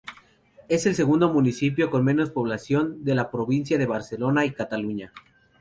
Es el segundo municipio con menos población de la provincia de Barcelona y Cataluña.